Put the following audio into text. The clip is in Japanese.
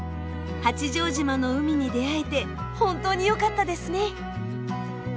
八丈島の海に出会えて本当によかったですね。